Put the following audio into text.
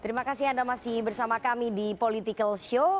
terima kasih anda masih bersama kami di political show